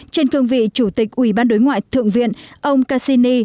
trên cương vị chủ tịch ủy ban đối ngoại thượng viện ông casini